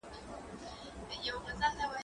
زه اوس مېوې راټولوم